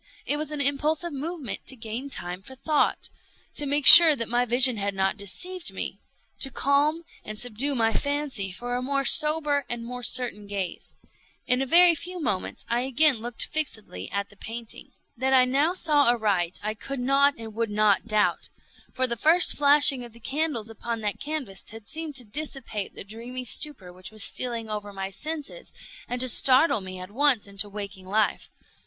It was an impulsive movement to gain time for thought—to make sure that my vision had not deceived me—to calm and subdue my fancy for a more sober and more certain gaze. In a very few moments I again looked fixedly at the painting. That I now saw aright I could not and would not doubt; for the first flashing of the candles upon that canvas had seemed to dissipate the dreamy stupor which was stealing over my senses, and to startle me at once into waking life.